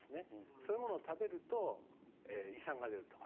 そういうものを食べると胃酸が出ると。